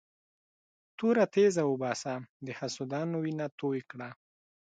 توره تېزه وباسه د حسودانو وینه توی کړه.